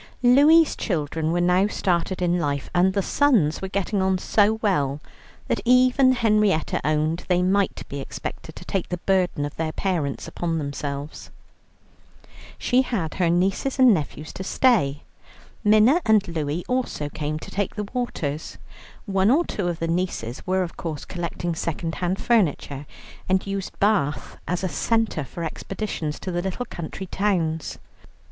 Louie's children were now started in life, and the sons were getting on so well that even Henrietta owned they might be expected to take the burden of their parents upon themselves. She had her nieces and nephews to stay; Minna and Louie also came to take the waters. One or two of the nieces were of course collecting second hand furniture, and used Bath as a centre for expeditions to the little country towns.